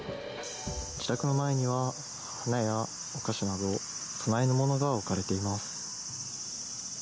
自宅の前には花やお菓子など供え物が置かれています。